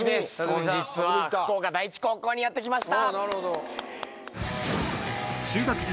本日は福岡第一高校にやって来ました。